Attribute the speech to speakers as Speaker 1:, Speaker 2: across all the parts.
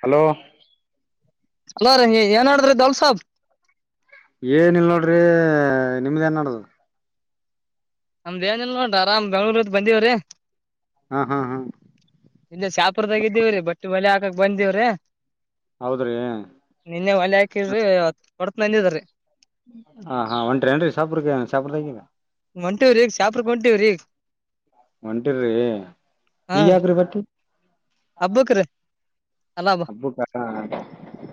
Speaker 1: Hello.
Speaker 2: ಏನ್ಡಿದ್ರಿ ದಲ್ ಸಾಬ್
Speaker 1: ಏನ್ ಇಲ್ ನೋಡ್ರಿ ನಿಮ್ದ ಏನ್ ನಡ್ದದ್
Speaker 2: ನಮ್ಧೇನಿಲ್ಲಾ ದರಾಮ್ ಬೆಂಗೂರ್ ಬಿಟ್ ಬಂದಿವ್ರೀ,
Speaker 1: ಹ್ ಹ್ ಹ್,
Speaker 2: ನೆನ್ನೆ ಶಾಪುರದಾಗ ಇದ್ದೀವ್ರೀ ಬಟ್ಟಿ ಒಲೆ ಹಾಕಕ್ ಬಂದಿವ್ರೀ,
Speaker 1: ಹೌದ್ರಿ.
Speaker 2: ನ್ನೆ ವಳೆಯಾಕಿದ್ರಿ,
Speaker 1: ಹ ಹಾ ಒಂಟ್ರೆನ್ರಿ ಸಾಪುರಕ್ಕೆ ಶಾಪುರಗಿರಿಯ,
Speaker 2: ಒಂಟಿವ್ರಿ ಶಾಪುರಕ್ಕೆ ಒಂಟಿವ್ರಿ.
Speaker 1: ಹೊಂಟಿರಿ ಈಗ್ ಯಾಕ್ರಿ ಬರ್ತಿ,
Speaker 2: ಅಬ್ಬಕ್ ರಿ.
Speaker 1: ಹಬ್ಬು ಪಟ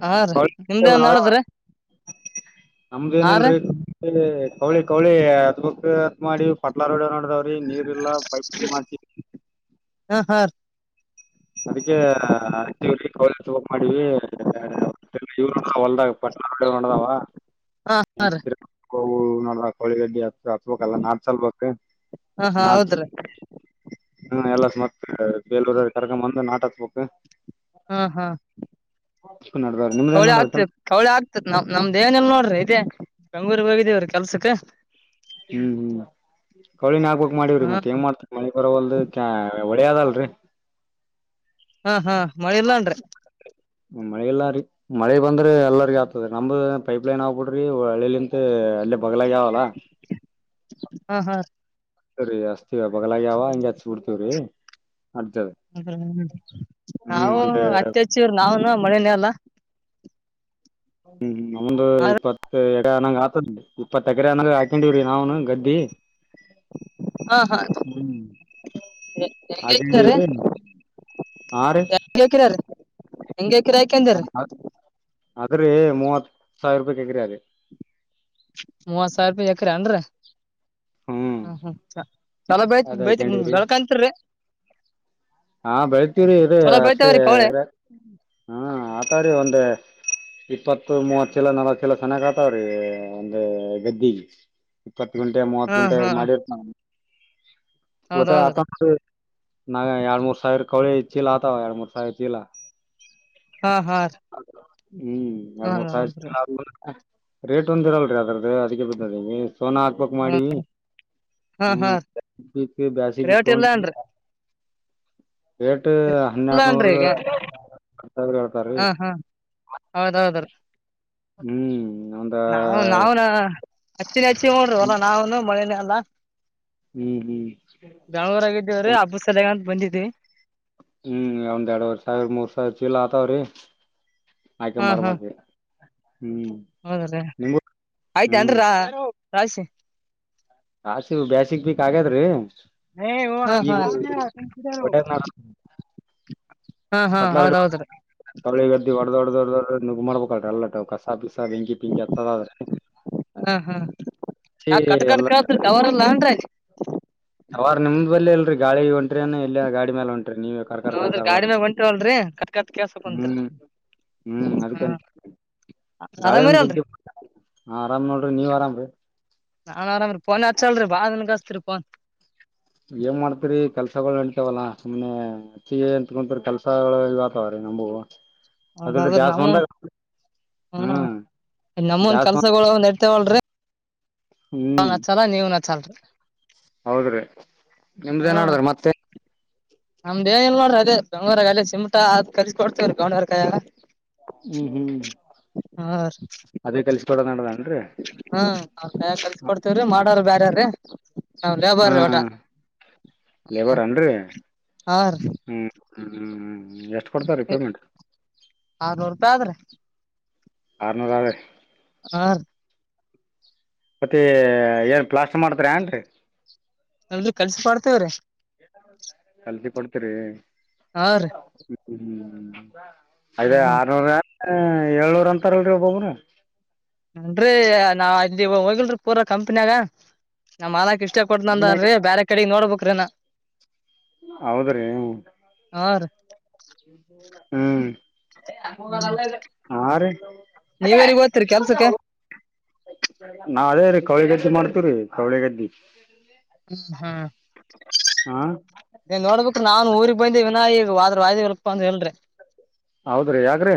Speaker 2: ಹಾ ರೀ ನಿಮ್ದೇನ್ ನಡದ್ರಿ
Speaker 1: [inaudible]
Speaker 2: ಹಾ ರೀ
Speaker 1: ನಂಧೆನಿಲ್ರಿ, ಕೈಲಿ ಕೌಳಿ ಕೌಳಿ ಅದ್ ಬುಕ್ ರಿ ಅತ್ ಮಾಡಿ ಫಟ್ಲಾ ರೋಡನೋ, ರಾರಿ ನೀರಿಲ್ಲ ಪೈಪ್ ಇಂಗ್ ಮಾಡ್ತಿ.
Speaker 2: ಹ ಹಾರ್,
Speaker 1: ಅದಕ್ಕೆ ಹತ್ತಿ ಕೌಳಿ ಹಚ್ಚಬೇಕು ಅಂತ ಮಾಡಿದ್ವಿ ಹೊದಾಗ ಪಟ್ಟ ಮಾಡದಾವ [unintelligible]
Speaker 2: ಹಾ
Speaker 1: ಎಂಟು ಕಿಲೋ ಮೀಟರ್ಕೂ ವೂ, ನೋಡ್ರ ಕೊಳಿಡ್ಡಿ ಚ್ಬೇಕಲ್ಲ ನಾಟ್ ಸಲ್ಬೇಕು
Speaker 2: ಹಾ ಹಾ
Speaker 1: ನಾಟ್
Speaker 2: ಹೌದ್ರಿ
Speaker 1: ಹ್ಮ ಎಲ್ಲ ಮ ಬೇಲ್ [unintelligible] ಕರಕ ಬಂದು ನಾಟಕ ಬುಕ್
Speaker 2: ಹಾ ಹಾ
Speaker 1: ನಡದವ್ರ ನಿಮ್ದೇನ್
Speaker 2: ಕೌಳಿ
Speaker 1: ನಡದ ಕೆಲ್ಸ
Speaker 2: ಆಗ್ತತ್ ಕೌಳಿ ಆಗ್ತದೆ ನಮ ನಮ ದೇವನಲ್ಲ ನೋಡ್ರಿ ಇದೆ ಕಂಗೂರಿಗೆ ಹೋಗಿದ್ದೀವ್ರರ ಕೆಲ್ಸಕ್ಕ
Speaker 1: ಹ್ಮ್ ಹ್ಮ್ ಕಳಿನ ಆಗ್ಬೇಕಕ್ ಮಾಡವ್ರಿ
Speaker 2: ಹಾ
Speaker 1: ಮತ್ತೆ ಏನ್ ಮಾಡ್ತ ಮಳಿ ಬರವಲ್ದ ಚಾ ಎ ಒಡೆಯದ ಅಲ್ರಿ
Speaker 2: ಹಾ ಹಾ ಮಳೆಲ್ಲ ಅನ್ರಿ
Speaker 1: ಮಳೆ ಇಲ್ಲಾರಿ ಮಳೆ ಬಂದ್ರೆ ಎಲ್ಲರಿಗ ಆತದ ನಮ್ದ ಪೈಪ್ ಲೈನ್ ಆಗ್ಬಿಡ್ರಿ ಹಳ್ಳಿಲಿಂತ ಅಳ್ಳೆ ಬಗ್ಲಾಗ್ಯಾವಲ್ಲ
Speaker 2: ಹಾ ಹಾ
Speaker 1: ಸರಿ ಅಸ್ತವ ಬಲಾಗ್ಯಾವ ಹಿಂಗ ಹಚ್ ಬಿಡ್ತವ್ರೀ
Speaker 2: ಹ
Speaker 1: ಹ್ಮ್
Speaker 2: ನಾವು
Speaker 1: ಒಂದ
Speaker 2: ಅತ್ತೆಚ್ಚೂರು ನಾವನು ಮಳಿನೇ ಅಲ್ಲಾ
Speaker 1: ಹ್ಮ್ ನಮ್ದ
Speaker 2: ಹಾ
Speaker 1: ಇಪ್ಪತ್ತು ಎಡೆ ಅಂಗ್ ಆತದ ಇಪ್ಪತ್ತ ಎಕರೆ ಅನಂಗ ಹಾಕೊಂಡಿವವ್ರಿ ನಾವ್ನು ಗದ್ದಿ
Speaker 2: ಹಾ
Speaker 1: ಹ್ಮ ಆಗಿಲ್ರಿ
Speaker 2: ಹೆಂಗೈತ್ರಿ
Speaker 1: ಆ ರಿ
Speaker 2: ಹಂಗೆ ಕಿರಾಯ ಕಂದ್ರರಿ
Speaker 1: ಅದ ರಿ ಮೂವತ್ ಸಾವಿರ ರೂಪಾಯಿಕ್ ಎಕ್ರೆ ರಿ
Speaker 2: ಮೂವತ್ ಸಾವಿರ ರೂಪಾಯಿ ಎಕ್ರ ಅಂದ್ರ [inaudible] ಹ ಹ್ಮ್ ಚಲ ಬೈತ್
Speaker 1: ಅದ
Speaker 2: ಬೈತಿ
Speaker 1: ಹಾಕೊಂಡಿವ್ರಿ
Speaker 2: ಬೆಳ್ಕಂತರೀ
Speaker 1: ಹಾ ಬೆಳತೀವ್ರಿ ಇದ
Speaker 2: ಚಲೋ
Speaker 1: ಅಷ್ಟೇ
Speaker 2: ಬೆಳಿತಾವ್ರಿ ಕವಳೆ
Speaker 1: ಇಲ ಹ್ಮ ಆತಾವ್ರಿ ಒಂದು ಇಪ್ಪತ್ತು ಮೂವತ್ ಚೀಲ ನಲ್ವತ್ ಚೀಲ ಚನ್ನಾಗ್ ಆತಾವ್ರೀ ಒಂದ ಗದ್ದಿಗೆ. ಇಪ್ಪತ್ತ್ ಕುಂಟೆ ಮೂವತ್ತು
Speaker 2: ಹ್ಮ್
Speaker 1: ಕುಂಟೆ
Speaker 2: ಹ್ಮ್
Speaker 1: ಮಾಡಿರ್ತ ಊಟ ಆತ
Speaker 2: ಹೌದೌದ್ರಿ
Speaker 1: [unintelligible] ನಂಗ ಎರಡ್ ಮೂರ್ ಸಾವಿರ ಕಳಿ ಚೀಲ ಆತಾವ ಎರಡ್ ಮೂರ್ ಸಾವಿರ್ ಚೀಲ.
Speaker 2: ಹಾ ಹಾ
Speaker 1: ಹ್ಮ್ ಎರಡ್ ಮೂರ್
Speaker 2: ಹೌದೌದ್ರಿ
Speaker 1: [unintelligible] ರೇಟ್ ಒಂದ್ ಇರಲ್ರಿ ಅದ್ರದು ಅದಕ್ಕೆ ಬಿದ್ದೊಗೖತಿ. ಸೋನ ಹಾರ್ಪಕ್ ಮಾಡೀ
Speaker 2: ಹಾ
Speaker 1: ಹ್ಮ
Speaker 2: ಹಾ
Speaker 1: ಮತ್ತ. ಬ್ಯಾಸಿ
Speaker 2: ರೇಟ್ ಇಲ್ಲ ಅನ್ರಿ
Speaker 1: [unintelligible] ಎಡ್ ಟ್ಟೂ
Speaker 2: ಇಲ್ಲ ಅನ್ರಿ
Speaker 1: ಹನ್ನೊಂನೂರು.
Speaker 2: ಈಗ ಹಾ ಹಾ ಹೌದ ಹೌದು ರೀ.
Speaker 1: ಹ್ಮ್ ಒಂದ
Speaker 2: ನಾವು ನಾವು [unintelligible] ನಾವುನು ಮಳೆ [inaudible]
Speaker 1: [unintelligible]
Speaker 2: ಬಂದಿದ್ದೆ.
Speaker 1: ಹ್ಮ್ ಒಂದ ಎರಡುವರ್ ಸಾವಿರ ಮೂರ್ ಸಾವಿರ ಚೀಲ ಆತಾವ್ರೀ. ಆಯ್ಕಂಬರ್ಬೇಕ್.
Speaker 2: ಹೌದ್ರೀ ಆಯ್ತ
Speaker 1: ಹ್ಮ್
Speaker 2: ಅನ್ರಾ. ರಾಯ್ಸಿ.
Speaker 1: ಆರ್ ಸಿವು ಬ್ಯಾಸಿಗ್ ಬಿಕ್ ಆಗ್ಯಾದ್ರೀ?
Speaker 2: ಏ
Speaker 1: ಒಳ್ಳ
Speaker 2: [unintelligible] ಹಾ ಹಾ ಹೌದೌದ್ರೀ
Speaker 1: ದೊಡ್ ದೊಡ್ಡೊಡ್ಡ ಮಾಡಬೇಕಾತ್ ಎಲ್ಲ ಕಸ ಬೀಸ್-
Speaker 2: ಹಾ ಹಾ
Speaker 1: ಹಚ್ಚಿ
Speaker 2: ಯಾಕ್ ಕಟ್ ಕಟ್ ಕೇಳುತ್ ಟವರ್ ಇಲ್ ಏನ್ರೀ.
Speaker 1: ಟವಾರ ನಿಮ್ದ್ ಬಲ್ಲಿ ಇಲ್ರರಿ ಗಾಳಿ [unintelligible] [unintelligible] ಇಲ್ಲಿ ಗಾಡಿ ಮೇಲೆ ಹೊಂಟ್. ನೀವ ಕರ್ಕರ್ ಕರ್ಕ
Speaker 2: ಹೌದ್ರಿ
Speaker 1: ಎಲ್ಲ
Speaker 2: ಗಾಡಿನಾಗ ಹೊಂಟಿವಲ್ರಿ ಕಟ್ ಕಟ್ ಕೇಳ್ಸ ಕುಂತ್ರಿ
Speaker 1: ಹ್ಮ್ ಹ್ಮ್
Speaker 2: ಹಾ
Speaker 1: ಅದಕ್ಕೆಂತ್ ಗಾಳಿ
Speaker 2: ಆರಾಮಿರಿ ಅಲ್ರಿ
Speaker 1: [unintelligible] ಆರಾಮ್ ನೋಡ್ರಿ ನೀವ್ ಅರಾಮ್ರಿ.
Speaker 2: ನಾನ್ ಆರಾಮ ರೀ ಪೋನ್ ಹಚ್ಚಲ್ರಿ ಬಾಳ್ ದಿನಕ್ ಅತಿರ್ರಿ ಫೋನ್.
Speaker 1: ಏನ್ ಮಾಡ್ತರಿ ಕೆಲ್ಸಗಳು ನಡಿತವಲ್ಲಾ ಸುಮ್ನೆ ಅಂತ ಕುಂತ್ರೆ ಕೆಲ್ಸಗಳು ಇದಗ್ತಾವ್ ರೀ ನಮಗು.
Speaker 2: ಅಂದದ್ರಾ ನಮ್ ಹ್ಮ
Speaker 1: ಹ್ಮ್
Speaker 2: ನಮ್ಮ ಒಂದ್
Speaker 1: ಜಾಸ್ತಿ
Speaker 2: ಕೆಲ್ಸಗುಳು ಒಂದ್ ನೆಡ್ತೇವಲ್ರಿ.
Speaker 1: ಹ್ಮ್
Speaker 2: ಹಚ್ಚಲ್ರಿ
Speaker 1: ಹೌದ್ರೀ ನಿಮ್ದೇ ಏನ್
Speaker 2: ಹಾ
Speaker 1: ನೆಡದದ ಮತ್ತೆ.
Speaker 2: ನಮ್ದ ಏನ್ ಇಲ್ಲ ನೋಡ್ರಿ ಅದೇ ಬೆಂಗಳೂರಗ ಅಲ್ಲ ಸಿಮಟಾ ಅದೇ ಕಲ್ಸ ಕೊಡ್ತೇವ್ರಿ ಗೌಂಡರ ಕೈಯಾಗ.
Speaker 1: ಹ್ಮ್ ಹ್ಮ್ ಅದೇ ಕೆಲ್ಸ ಕೊಡೋ ನಡದನ್ರಿ.
Speaker 2: ಹ ಅವ್ರ್ ಕೈಯಾಗ ಕಲ್ಸ ಕೊಡ್ತೇವ್ರಿ ಮಾಡಾರ ಬ್ಯಾರ್ರೀ. ನಾವು ಲೇಬರ್ ರಿ ಒಟ್ಟ
Speaker 1: ಹ್ಮ
Speaker 2: ಹ್ಮ
Speaker 1: ಲೇಬರ್ ಅನ್ರಿ
Speaker 2: ಹ ರೀ
Speaker 1: ಹ್ಮ್ ಹ್ಮ್ ಹ್ಮ್ ಹ್ಮ್ ಎಷ್ಟು ಕೊಡ್ತಾರೆ ರೀ ಪೇಮೆಂಟ್.
Speaker 2: ತ್ತಾದ್ರೆ
Speaker 1: ಆರ್ ನೂರ ರ
Speaker 2: ಹಾ ರಿ
Speaker 1: ಮತ್ತೆ ಏನ್ ಪ್ಲಾಸ್ಟರ್ ಮಾಡ್ತಿರ್ ಏನ್ರೀ
Speaker 2: ಅಂದ್ರ್ ಕಲ್ಸಿ ಕೊಡ್ತೀವಿರಿ.
Speaker 1: ಕಲ್ಸಿ ಕೊಡ್ತರಿ. [unintelligible]
Speaker 2: ರೀ
Speaker 1: ಹ್ಮ್ ಹ್ಮ್ ಹ್ಮ್ ಹ್ಮ್ ಅದೆ
Speaker 2: ಹ್ಮ್
Speaker 1: ಆರ್ನುರ ಹ ಏಳ್ನೂರ್ ಅಂತಾರಲ್ರಿ ಒಬ್ಬೊಬ್ಬರೂ.
Speaker 2: ಅಂಡ್ರೆ ನಾವ್ ಇವಾಗ ಹೋಗಿಲ್ರಿ ಪೂರ ಕಂಪ್ನಿಯಾಗ ನಮ್ ಮಾಲಾಕ್ ಇಷ್. ಸ್ಟೆ ಕೊಡ್ತುನದರ್
Speaker 1: ಒಬ್ಬನ್ಯಾಗ
Speaker 2: ರೀ ಬೇರೆ ಕಡೆಗೆ ನೋಡ್ಬೇಕ್. [unintelligible]
Speaker 1: ಹೌದ್ರಿ
Speaker 2: ಹಾ ರೀ
Speaker 1: ನಮ್ಮೂರಗ ಅಲ್ಲ ಇದು ಹಾ ರೀ ಅದೇ
Speaker 2: ನೀವೆಲ್ಲಿಗ್ ಹೋಗ್ತೀರಿ ಕೆಲ್ಸಕ್ಕೆ
Speaker 1: ರೀ. ಕೌಳಿ ಗದ್ದೆ ಮಾಡ್ತವ್ರೀ ಕೌಳಿಗದ್ದಿ.
Speaker 2: ಹ್ಮ್ ಹ್ಮ್
Speaker 1: ಹಾ
Speaker 2: ನೀನ್ ನೋಡ್ಬೇಕು ನಾನ್ ಊರಿಗ್ ಬಂದಿವ್ ಇನ ಈಗ್. ವಾದ್ರೆ ವದ್ವಿ ಇಲ್ಲ ಪ ಅಂದ್ರ ಇಲ್ಲ್ ರಿ.
Speaker 1: ಹೌದ್ರಿ ಯಾಕ್ರೀ.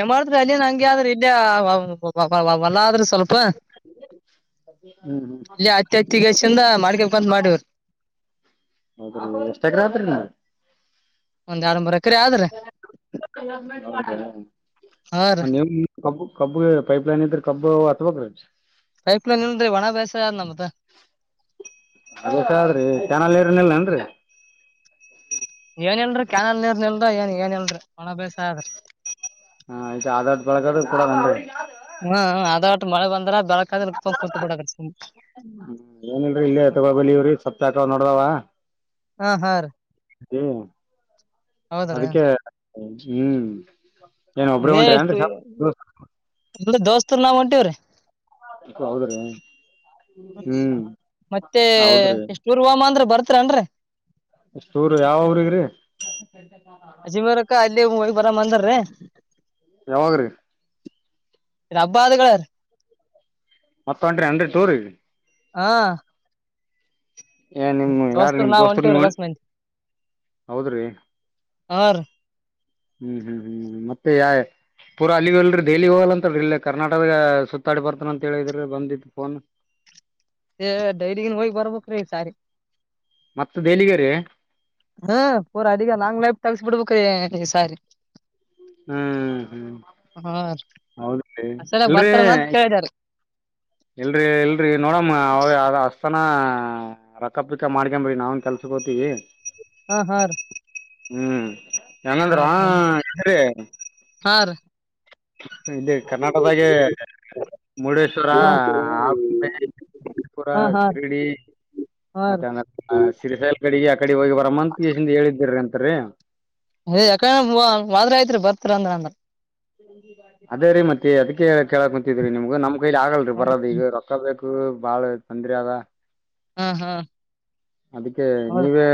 Speaker 2: ಏನ್ ಮಾಡ್ತಾ ರೀ ಅಲ್ಲಿನ್ ಹಂಗೆ ಆದ್ರರು ಇಲ್ಲೇ ವ ವಾಲಾ ಆದ್ರಿ. ಸ್ವಲ್ಪ
Speaker 1: ಹ್ಮ್ ಹ್ಮ್
Speaker 2: ಇಲ್ಲಿ ಅತ್ಯತ್ಯಗಸಿಂದ ಮಾಡ್ಕಬೇಕಂತ ಮಾಡಿವ್ರಿ
Speaker 1: ಹೌದ್ರಿ ಎಷ್ಟ ಎಕರೆ ಆತ್ರಿ
Speaker 2: ಒಂದ್ ಎರಡು ಮೂರು ಎಕ್.
Speaker 1: ಹೌದ
Speaker 2: ಹಾ ರೀ
Speaker 1: [unintelligible] ಕಬ್ ಪೈಪ್ ಲೈನ್ ಇದ್ರೆ ಕಬ್ಬ ಅಚ್ಬೇಕ್ರಿ.
Speaker 2: ಪೈಪ್ ಲೈನ್ ಇಲ್ರಿ ಒಣ ಬೇಸಾಯ ಆದ್ ನಮ್ದ
Speaker 1: ಅದಕ್ಕಾದ್ರೀ ಕ್ಯಾನಲ್ ನೀರ್ ಕೂಡ ಇಲ್ಲೇನ್ರಿ.
Speaker 2: ಏನೇಲ್ರರಿ ಕ್ಯಾನಲ್ ನೀರ್ನಲ್ರ ಏನ್ ಏನ್ಲ್ರರಿ ಒಣ ಬೇಸ ಅಗ್ಯಾದ್ರಿ.
Speaker 1: ಹ ಅಡಟ್ ಬೆಳಗದು ಬುಡದ್ ಏನ್ರೀ.
Speaker 2: ಹ್ಮ್ ಅದ ಒಟ್ ಮಳೆ ಬಂದ್ರ. ಬೆಳಕಾದ್ರ ಕುಂತ್ ಬಿಡದ್ರಿ ಸುಮ್
Speaker 1: ಹ ಏನಲ್ರೀ ಇಲ್ಲೇ ತಗೋಬಳವ್ರಿ ಸಪ್ತಾಕ ನಡ್ದಾವ.
Speaker 2: ಹಾ ಹಾ ರೀ
Speaker 1: ಹೇ
Speaker 2: ಹೌದ್ರಿ
Speaker 1: ಅದಕ್ಕೆ ಹ್ಮ್ ಏನ್ ಒಬ್ಬ್ರ ಉಂಟ್ರಿ ಏನ್ರೀ [unintelligible]
Speaker 2: ಇಲ್ಲ ದೋಸ್ತರ್ ನಾವ್ ಹೊಂಟಿವವ್ರೀ.
Speaker 1: ಹೌದ್ರಿ
Speaker 2: ಹ್ಮ
Speaker 1: ಹ್ಮ್
Speaker 2: ಮತ್ತೆ
Speaker 1: ಹೌದ್ರಿ
Speaker 2: ಎಷ್ಟೂ ಧೂರವಾಮ ಅಂದ್ರೆ. ಬರ್ತ್ನ್ರರಿ.
Speaker 1: ಎಷ್ಟಊರು ಯಾವ್ರಗ್ರಿ.
Speaker 2: ಅಜಿಮರಕ್ಕ ಅಲ್ಲಿ ಹೋಗಿ ಬರಮಂದಾರ್ರೀ.
Speaker 1: ಯಾವಾಗ್ರೀ
Speaker 2: ರಬ್ಬ ಅದುಗಳರ್.
Speaker 1: ಮತ್ತನ ಹೊಂಡ್ರೆಡ್ ಏನ್ರೀ.
Speaker 2: ಹಾ
Speaker 1: ಏ ನಿಮ್ ಯಾರ
Speaker 2: ದೋಸ್ತರು
Speaker 1: ನಿಮ್
Speaker 2: ನಾವ್
Speaker 1: ದೋಸ್ತರ್
Speaker 2: ಹೊಂಟಿವ್ರಿ
Speaker 1: ನೀವುಂ
Speaker 2: ಎಲ್ಲಸ್ ಮಂದಿ
Speaker 1: ಹೌದ್ರಿ.
Speaker 2: ಹಾ ರಿ
Speaker 1: ಹ್ಮ್ ಹ್ಮ್ ಹ್ಮ್ ಮತ್ತೆ ಯಾ ಪೂರಾ ಅಲ್ಲಿಗ ಅಲ್ರಿ ದೆಹಲಿ ಹೋಗಲ್ಲ ಅಂತಲ್ ಇಲ್ಲ ಕರ್ನಾಟಕಗ ಸುತ್ತಾಡಿ ಬರ್ತಾನ ಅಂತೇಳಿದ್ರಿ ಬಂದಿದ್ ಫೋನ್.
Speaker 2: ಏ ಡೈರಿಗನ್ ಹೋಗಿ ಬರ್ಬೇಕ್ರೀ ಈ ಸಾರಿ.
Speaker 1: ಮತ್ತ ದೇಲಿಗೆರಿ.
Speaker 2: ಹ್ಮ ಪೂರಾ ಅಲ್ಲಿಗೆ ಲಾಂಗ್ ಲೈಫ್ ತಗಸಿಬಿಡ್ಬೇಕ್ ಇ ಸಾರಿ.
Speaker 1: ಹ್ಮ್ ಹ್ಮ್
Speaker 2: ಹಾ
Speaker 1: ಹೌದು ರೀ
Speaker 2: ಅಷ್ಟ ಬರ್ತಾರನಂತ ಕೇಳಿದ್ರಿ.
Speaker 1: ಇಲ್ರರಿ ಇಲ್ರರಿ ನೋಡಮ್ಮ ಅವ ಅಸ್ತನಾ ರೊಕ್ಕಪಿಕ್ಕ ಮಡಕೇನಮ್ರಿ ನಾವನ್ ಕೆಲ್ಸಕ್ ಹೋಗ್ತೀವಿ.
Speaker 2: ಹಾ ಹಾ ರಿ
Speaker 1: ಹ್ಮ್ ಹೆಂಗಂದ್ರ [unintelligible]
Speaker 2: ಹಾ ರೀ
Speaker 1: ಇಲ್ಲೆ ಕರ್ನಾಟಕದಾಗೆ ಮುರುಡೇಶ್ವರ ಆಗುಂಬೆ
Speaker 2: ಹಾ ಹಾ ಹಾ ರೀ
Speaker 1: ಶರಡಿ
Speaker 2: ಹಾ
Speaker 1: ಮತ್ತೆ
Speaker 2: ರೀ
Speaker 1: ಅಂದ್ರ ಸಿರಿಸೈಲ್ ಕಡಿಗೆ ಆ ಕಡೆ ಹೋಗಿ ಬರಮ್ಮಂತ ಹಾಕ್ಸಿನ್ದು ಹೇಳಿದ್ರುರಿ ಅಂ ತ್ರಿ
Speaker 2: ಯಾಕಡೆ ಒವದ್ರೆ ಅಯ್ತ್ರಿ ಬರ್ತರಿ ಅಂದ್ರ ಅಂದ್ರ
Speaker 1: ಅದೇ ರೀ ಮತ್ತೆ ಅದಕ್ಕೆ ಕೇಳಕ್ ಕುಂತಿದಿ ನಿಮ್ಗ ನಮ್. ನಮ್ ಕೈಯಲ್ಲಿ ಆಗಲ್ರಿ ಬರೋದ ಈಗ ರೊಕ್ಕ ಬೇಕ್. ಹೂ ಬಾಳ ತೊಂದ್ರೆ ಅದ
Speaker 2: ಹಾ ಹಾ
Speaker 1: ಅದಕ್ಕೆ
Speaker 2: ಹೌದ್
Speaker 1: ನೀವೇ.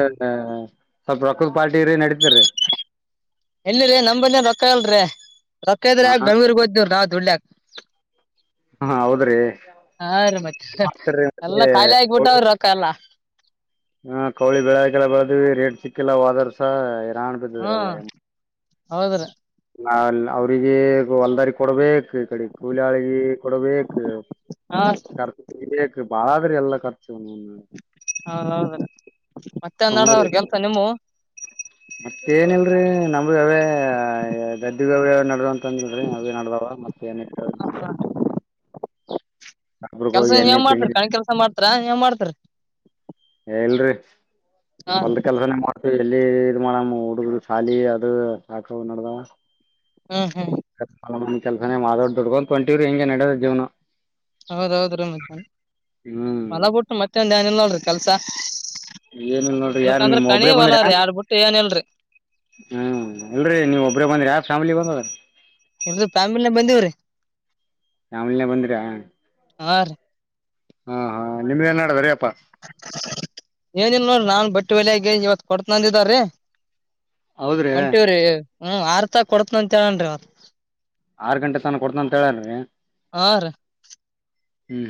Speaker 1: ಸ್ವಲ್ಪ ರೊಕ್ಕದ್ ಪಾರ್ಟಿ ರೀ ನಡೀತ್ರಿ.
Speaker 2: ಎಲ್ಲರಿ ನಮ್ ಬಲ್ಲಿನೂ ರೊಕ್ ಇಲ್ರಿ. ರೊಕ್ಕ ಇದ್ರೆ ಯಾಕ್
Speaker 1: ಹಾಂ
Speaker 2: ಬೆಂಗಳೂರ್ಗ್ ಹೊತ್ತಿದ್ವಿರಿ ನಾವ್ ದುಡ್ಲಾಕ್
Speaker 1: ಹಾಂ ಹೌದು ರೀ
Speaker 2: ಹಾ ರಿ ಮತ್
Speaker 1: ರೀ
Speaker 2: ಎಲ್ಲಾ
Speaker 1: ಮತ್ತೆ
Speaker 2: ಖಾಲಿ ಆಗ್ಬಿಟ್ಟವ್ರಿ ರೊಕ್ಕ ಎಲ್ಲಾ.
Speaker 1: ಹಾ ಕೌಳಿ ಬೆಳೆಕಲ್ಲ ಬಳದ್ವಿ ರೇಟ್ ಸಿಕ್ಕಿಲ್ಲ ಹೋದರ್ಸ. [unintelligible]
Speaker 2: ಹೌದ್ರೀ
Speaker 1: ನ ಅಲ್ ಅವ್ರಿಗೆ ಹೊಲ್ದಾರಿ ಕೊಡ್ಬೇಕು. ಈ ಕಡೆ ಕೂಲಿ ಆಳಿಗು ಕೊಡಬೇಕು
Speaker 2: ಹಾ
Speaker 1: [unintelligible] ಬಾಳ ಅದ ರಿ ಎಲ್ಲ ಕರ್
Speaker 2: ಹೌದ್ ಹೌದ್ರಿ ಮತ್ತೆನ್ ನಡದವ ಕೆಲ್ಸ ನಿಮ್ಮವು.
Speaker 1: ಮತ್ತ ಏನಲ್ರರಿ ನಮ್ಮೂವು ಅವೇ ಗದಿವ್ ಅವೇ ನಡದವ್ [unintelligible] ನಡದಾದ ಮತ್ತೆ ಏನಿಲ್ರಿ
Speaker 2: ಕೆಲ್ಸ
Speaker 1: ಅಪಗೋಗಿ ಎಣ್ಣೆ
Speaker 2: ಏನ್
Speaker 1: ಪಣಿ.
Speaker 2: ಮಾಡ್ತೀರಿ ಕಣ್ ಕೆಲ್ಸ ಮಾಡ್ತಾರ ಏನ್ ಮಾಡ್ತೀರಿ
Speaker 1: ಹೇ ಇಲ್ರಿ.
Speaker 2: ಹಾ
Speaker 1: ಒಲ್ದ ಕೆಲ್ಸನೇ ಮಾಡ್ ಎಲ್ಲಿ ಇದ ಮಾಡಮ್ಮ ಹುಡುಗುರ್ ಶಾಲಿ ಅದು ಹಾಕವ್ ನಡ್ದಾವ.
Speaker 2: ಹ್ಮ್ ಹ್ಮ್
Speaker 1: [unintelligible] ಕೆಲ್ಸನೇ ಮಾ ದೊಡ್ ದುಡ್ಕೊಂತಂಟಿವ್ರಿ ಹೆಂಗೇ ನಡದ ಜೀವನ.
Speaker 2: ಹೌದೌದ್ರಿ ಮತ್
Speaker 1: ಹ್ಮ್
Speaker 2: ಹೊಲ ಬಿಟ್ಟು ಮತ್ತೆಂದ ಏನ್ ಇಲ್ಲ್ ನೋಡ್ರಿ ಕೆಲ್ಸ.
Speaker 1: ಏನಿಲ್ಲ ನೋಡ್ರಿ ಯಾರ
Speaker 2: ಇಲ್ಕಂದ್ರ
Speaker 1: ನಿಮ್ಮ್
Speaker 2: ಕಣಿ
Speaker 1: ಒಬ್ರೇ
Speaker 2: ಹೊಲ
Speaker 1: ಬಂದ್ರಿ ಯ
Speaker 2: ರೀ ಯಾರ್ ಬಿಟ್ಟು ಏನಿಲ್ರಿ ಇಲ್ರಿ
Speaker 1: ಹ್ಮ ಇಲ್ರರಿ ನೀವ್ ಒಬ್ರೇ ಬಂದ್ರಿ ಯ ಫ್ಯಾಮಿಲಿ ಬಂದರ.
Speaker 2: ಇಲ್ರಿ ಫ್ಯಾಮಿಲಿನ ಬಂದಿವ್ರಿ.
Speaker 1: ಫ್ಯಾಮಿಲಿ ನೇ ಬಂದ್ರ
Speaker 2: ಹಾ ರಿ
Speaker 1: ಹಾ ಹಾ ನಿಮ್ದ ಏನ್ ನಾಡದದ್ರಿ
Speaker 2: ಏನಿಲ್ಲ ನೋಡ ನಾನ್ ಬಟ್ ಬಟ್ಟೆ ವಲೆ ಆಗ ಇವತ್ ಕೊತನಂದಿದಾರೀ
Speaker 1: ಹೌದ್ರಿ
Speaker 2: ಒಂಟಿವ್ರಿ ಹ್ಮ ಆರ್ತ ಕೊಡತನ ಅಂತ ಹೇಳನ ಇವತ್ತ್
Speaker 1: ಆರ್ ಗಂಟೆ ತನ ಕೊಡ್ತನ ಅಂತ ಹೇಳಲ್ರಿ.
Speaker 2: ಹ ರೀ
Speaker 1: ಹ್ಮ್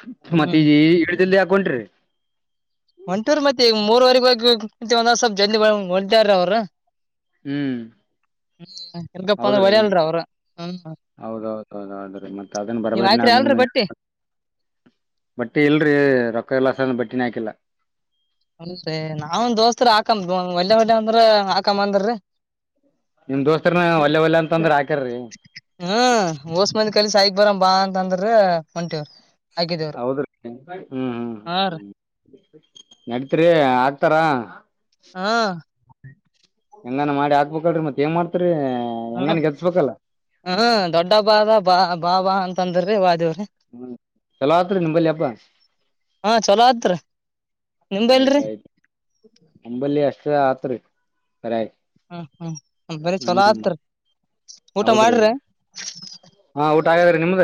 Speaker 1: ಹ್ಮ್ ಮತ್ತೆ [unintelligible] ಇಲ್ಲೇ ಯಾಕ್ ಹೊಂಟ್ರಿ
Speaker 2: ಒಂಟೂರ್ ಮತ್ತೆ ಈ ಮೂರುವರೆ [unintelligible]
Speaker 1: ಹ್ಮ್
Speaker 2: ಇಲ್ಕಪ್ಪ ಅಂದ್ರ
Speaker 1: ಹೌದ್ರಿ
Speaker 2: ಹೊಲಿಯಲ್ರಿ ಅವ್ರು ಹ್ಮ್
Speaker 1: ಹೌದೌದ್ದೌದ್ರಿ ಮತ್ತತ್ ಅದನ್
Speaker 2: ನೀವ್
Speaker 1: ಬರ್ಬೇರ್
Speaker 2: ಹಾಕ್ರಿ ಅಲ್ರಿ
Speaker 1: ನಿಮ್ದ
Speaker 2: ಬಟ್ಟಿ
Speaker 1: ಬಟ್ಟಿ ಇಲ್ರರಿ ರೊಕ್ಕ ಎಲಾಸ ಬಟ್ಟಿ. ತಿನ್ನಕ್ಕಿಲ್ಲ
Speaker 2: ಹಾಕ ಒಳ್ಳೆ ಒಳ್ಳೆ ಅಂದ್ರ ಹಾಕಮ್ಮ ಅಂದರೀ
Speaker 1: ನಿಮ್ ದೋಸ್ತರನ ಒಲ್ಲೆ ಒಲ್ಲೆ ಅಂತಂದ್ರ ಅಕ್
Speaker 2: ಹಾ ಮೋಸ್ ಮಾನಿಕ್ ಕಲಿ ಸಾಯಕ್ ಬರ ಬಾ ಅಂತ ಅಂದರಿ ಹೊಂಟಿವ್
Speaker 1: ಹೌದ್ರಿ ಹ್ಮ್ ಹ್ಮ್ ಹ್ಮ್
Speaker 2: ಹಾ ರೀ
Speaker 1: ಹ್ಮ್ ನಡತ್ರಿ ಆಗ್ತಾರ.
Speaker 2: ಹಾ
Speaker 1: ಹೆಂಗಾನ ಮಾಡಿ ಹಾಕ್ಬೇಕಲ್ರಿ ಮತ್ ಏನ್ ಮಾಡ್ತರಿ.
Speaker 2: ಹ್ಮ
Speaker 1: ಹೆಂಗನ್ ಗೆಲ್ಸ್ಬೇಕಲ್ಲ
Speaker 2: ಹ್ಮ ದೊಡ್ಡ ಹಬ್ಬದ ಬಾ ಬಾಬಾ ಅಂ ತಂದಾರಿ ವಾದ್ಯ.
Speaker 1: ಹ್ಮ ಚಲೋ ಆತ್ರಿ ನಿಂಬಲ್ಲಿ ಹಬ್ಬ
Speaker 2: ಹಾ ಚಲೋ ಆತ್ರಿ ನಿಂಬಲ್ರಿ
Speaker 1: ಆಯ್ತಾಯ್ತು ನಿಂಬಲ್ಲಿ ಅಷ್ಟ ಆತ್ರಿ. ಸರಿ ಆಯ್ತ್
Speaker 2: ಹ್ಮ್ ಹ್ಮ್ ಬರೀ ಚೊಲೋ ಆತ್ರಿ ಊಟ
Speaker 1: ಹೌದ್ರಿ
Speaker 2: ಮಾಡಿರ್ರ
Speaker 1: ಹಾ ಊಟ ಆಗ್ಯಾದ್ರಿ ನಿಮ್ದ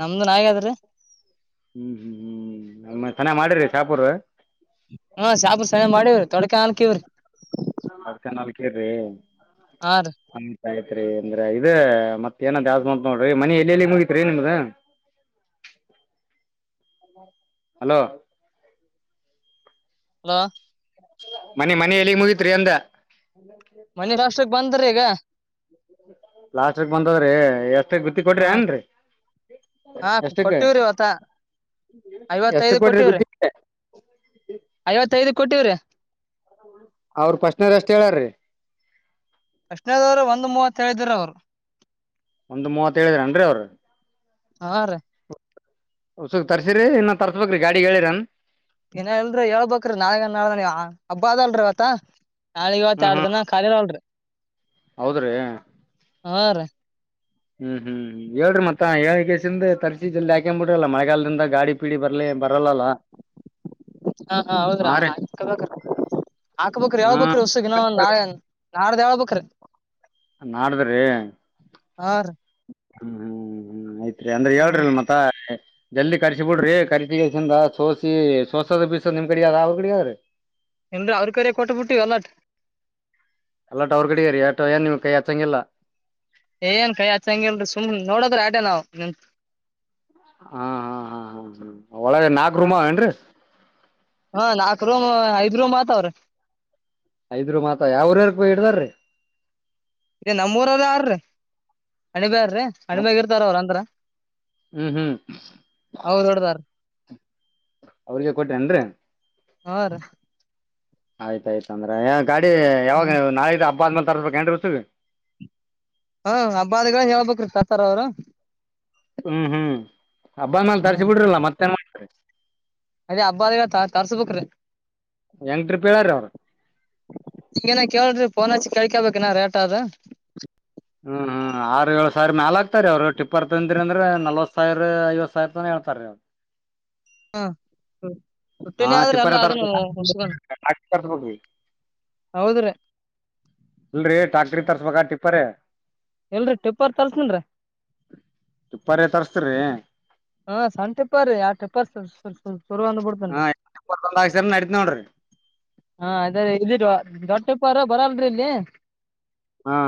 Speaker 2: ನಮ್ದುನು ಆಗ್ಯದ ರಿ.
Speaker 1: ಹ್ಮ್ ಹ್ಮ್ ಹ್ಮ್ ಅ ಚನ್ನ ಮಾಡಿರಿ ಚಾಪೂರ್.
Speaker 2: ಹಾ ಶಾಪ ಸಣ ಮಾಡವ್ರಿ ತೊಡ್ಕ ಹನ್ಕವ್ರಿ.
Speaker 1: ಕೆರೆ. [unintelligible] ಆಯ್ತ್ರಿ. ಅಂದ್ರೆ ಇದ ಮತ್ತ ಏನದ ಯಾವ್ದ್ ಬಂತ್ ನೋಡ್ರಿ ಮನಿ ಎಲ್ಲ ಎಲ್ಲಿಗೆ ಮುಗಿತ್ರಿ ನಿಮ್ದ. ಹಲೋ.
Speaker 2: ಹಲೋ.
Speaker 1: ಮನೆ ಮನಿ ಎಲ್ಲಿಗ್ ಮುಗಿತ್ರಿ ಅಂದ.
Speaker 2: ಮನೆ ಲಾಸ್ಟಗ ಬಂದ್ರೀ ಈಗ.
Speaker 1: ಲಾಸ್ಟಕ್ ಬಂದದ್ರಿ ಎ
Speaker 2: ಹಾ ಹಾ
Speaker 1: ಎಷ್ಟಕ್
Speaker 2: ಕೊಟ್ಟವ್ರಿ ಅವತ್ತ
Speaker 1: ಎಷ್ಟ
Speaker 2: ಐವತ್ತೈದು
Speaker 1: ಕೊಟ್ರಿ
Speaker 2: ಕೊಟ್ಟವ್ರಿ
Speaker 1: ಗುತ್ತಿ
Speaker 2: ಐವತ್ತೈದ. ಕೊಟ್ಟಿವ್ರಿ.
Speaker 1: ಅವ್ರ ಪಸ್ನರ್ಷ್ಟ ಹೇಳಾರೀ.
Speaker 2: ಫಸ್ಟ್ನೆದವ್ರ ಒಂದ್ ಮೂವತ್ ಹೇಳಿದ್ರ ಅವ್ರು.
Speaker 1: ಒಂದು ಮೂವತ್ತ ಹೇಳದ್ರಿ ಏನ್ ರಿ ಅವ್ರ.
Speaker 2: ಹಾ ರಿ.
Speaker 1: ಉಸುಕ್ ತರ್ಸಿರಿ ಇನ್ನ ತರ್ಸ್ಬೇಕ್ರಿ ಗಾಡಿಗ್ ಹೇಳಿರನ್.
Speaker 2: ಇನ ಇಲ್ರಿ ಹೇಳ್ಬಕ್ರಿ ನಾಳಿಗನ್ ನಾಳನ ಹಬ್ಬ ಅದಲ್ರೀವತ್ತ. ನಾಳಿಗ್ ಇವತ್ತ ಎಡ್ ದಿನ ಖಾಲಿನ ಅಲ್ರಿ.
Speaker 1: ಹೌದ್ರೀ.
Speaker 2: ಹಾ ರೀ
Speaker 1: ಹ್ಮ್ ಹ್ಮ್ ಹೇಳ್ರಿ ಮತ್ತ ಹೇಳ್ಗೇಸಿಂದ ತರ್ಸಿ ಜಲ್ದಿ ಹಾಕೇಂಬ್ ಬಿಟ್ರಲ್ಲ ಮಳೆಗಾಲದಿಂದ ಗಾಡಿ ಪೀಡಿ ಬರ್ಲಿ ಬರಲ್ಲಲ್ಲ.
Speaker 2: ಹಾ ಹಾ ಹೌದ್ರಾ ಹಾಕ್ಬೇಕ ಹಾಕ್ಬೇಕ್ರಿ
Speaker 1: ಹಾ
Speaker 2: ಹೇಳಬೇಕ್ರಿ ಒಸುಗಿನ ಒಂದ್ ನಾಳೆನ. ನಾಡ್ದ ಹೇಳ್ ಬೇಕ್ರಿ.
Speaker 1: ನಾಡ್ದ್ ರಿ.
Speaker 2: ಹಾ ರೀ
Speaker 1: ಹ್ಮ್ ಹ್ಮ್ ಹ್ಮ್ ಆಯ್ತ್ ಇ ಅಂದ್ರೆ
Speaker 2: ಹಾ
Speaker 1: ಹೇಳ್ರಲ ಮತ್ತ. ಜಲ್ದಿ ಕರ್ಸಿ ಬಿಡ್ರಿ ಕರ್ಸಿಗೇಸಿಂದ ಸೋಸಿ ಸೋಸದ ಬೀಸದ್ ನಿಮ್ ಕಡಿಗ್ ಅದ ಅವ್ರ ಕಡಿಗ್ ಆದ್ರಿ.
Speaker 2: ದ ಅವ್ರ ಕರೆ ಕೊಟ್ಟಬಿಟ್ಟು ಎಲಾಟ್.
Speaker 1: ಅಲ್ಲಟ ಅವ್ರ ಕಡಿಗರಿ ಏಟ ಏನ್ ನಿಮ್ ಕೈ ಹಚ್ಚಂಗಿಲ್ಲ.
Speaker 2: ಏನ್ ಕೈ ಹಚಂಗಿಲ್ರಿ ಸುಮ್ ನೋಡದ್ರ ಆಟೇ ನಾವ್ ನಿಂತ.
Speaker 1: ಹಾ ಹಾ ಹಾ ಹ ಹ ಒಳಗೆ ನಾಕ್ ರೂಮ ಅವ ಏನ್ರಿ.
Speaker 2: ಹಾ ನಾಕ್ ರೂಮ ಐದ್ ರೂಮ್ ಆತವ್ರಿ.
Speaker 1: ಐದ್ರೂಮ್ ಆತ ಯಾವುರರಕ್ ಹಿಡ್ದಾರ್ರಿ.
Speaker 2: ಇ ನಮ್ಮ್ ಊರ್ರರ ಆರ್ರ ಹಣಿಬಾರ್.
Speaker 1: ನಮ್
Speaker 2: ಹಣ್ಮ್ಯಾಗ ಇರ್ತಾರ ಅವ್ರಂತರ
Speaker 1: ಹ್ಮ್ ಹ್ಮ್
Speaker 2: ಅವ ಹಿಡದಾರೀ.
Speaker 1: ಅವ್ರಿಗೆ ಕೊಟೆ ಏನ್ರಿ.
Speaker 2: ಹಾ ರೀ.
Speaker 1: ಆಯ್ತ ಆಯ್ತ ಅಂದ್ರ ಯಾನ್. ಗಾಡಿ ಯಾವಾಗವು ನಾಳಿದ್ದು ಹಬ್ಬಾ ಆದ್ಮೇಲೆ. ತರಬೇಕೆನ್ರಿ ಉಸುಗ.
Speaker 2: ಹ ಹಬ್ಬಾಆದಿಗ ಹೇಳ್ಬೇಕ್ರಿ ತತ್ತಾರ್ ಅವ್ರು.
Speaker 1: ಅಹ್ಮ್ ಹ್ಮ್ ಹಬ್ಬಾ ಮ್ಯಾಲ
Speaker 2: ಹಾ
Speaker 1: ತರಿಸಿ ಬಿಡ್ರಲ್ಲ ಮತ್ತೇನ್ ಮಾಡ್ತಿರಿ.
Speaker 2: ಅದೇ ಹಬ್ಬಾ ಆದಿಗಾ ತಾ ತರ್ಸ್ಬೇಕ್ರೀ.
Speaker 1: ಯಂನಟ್ರಿಪಿಳರ ಅವ್ರ.
Speaker 2: ಈಗೇನ ಕೇಳ್ರಿ ಫೋನ್ ಹಚ್ಚ ಕೆಳ್ಕೊಬೇಕನಾ ರೇಟ್ ಅದ.
Speaker 1: ಹ್ಮ್ ಣ ಆರ ಏಳು ಸಾವಿರಾ ಮ್ಯಾಲ ಹಾತ್ತಾರಿ ಅವ್ರು ಟಿಪ್ಪರ್ ತಂದಿರಿ ಅಂದ್ರ ನಲ್ವತ್ ಸಾವಿರ ಐವತ್ ಸಾವಿರ ರೂಪಿನ ಹೇಳ್ತಾರಿ ಅವ್ರ.
Speaker 2: ಹ್ ಹ್ಮ.
Speaker 1: ಹಾ ಟಿಪ್ಪರ್ [unintelligible]
Speaker 2: ಹೌದ್ರಿ
Speaker 1: ಅಲ್ರೀ ಟಾಕ್ರಿ ತರ್ಸ್ಬೇಕಾ ಟಿಪ್ಪರ.
Speaker 2: ಎಲ್ರಿ ಟಿಪ್ಪರ್ ತಲ್ಸನನ್ರಿ.
Speaker 1: ಟಿಪ್ಪರೇ ತರ್ಸ್ತಿರಿ
Speaker 2: ಹಾ ಸಣ್ಣ ಟೆಪ್ಪರ್ ರೀ ಯ್ಯಾಡ ಟೆಪ್ಪರ್. [unintelligible]
Speaker 1: ಹಾ ಟಿಪ್ಪರ್ ತಂದ ಹಾಕಸ್ಯಾನ ನಡಿತ್ ನೋಡ್ರಿ.
Speaker 2: ಹಾ ಅದರಿ ಇದಿದ್ವ ದೊಡ್ಡ ಟಿಪ್ಪರು ಬರಲ್ರಿ ಇಲ್ಲೇ.
Speaker 1: ಹಾ.